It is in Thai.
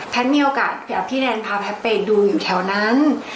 มีโอกาสพี่แดนพาแพทย์ไปดูอยู่แถวนั้น